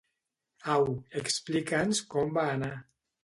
Au, explica'ns com va anar.